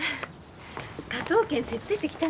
科捜研せっついてきたの。